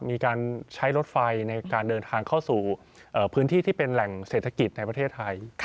มีการใช้รถไฟในการเดินทางเข้าสู่พื้นที่ที่เป็นแหล่งเศรษฐกิจในประเทศไทย